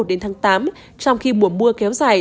đến tháng tám trong khi mùa mưa kéo dài